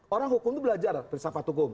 orang hukum itu belajar firsafat hukum